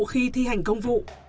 khi thi hành công vụ